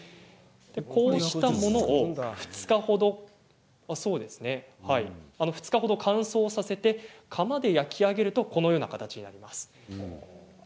こうしたものを２日ほど乾燥させて窯で焼き上げると形が出来上がります。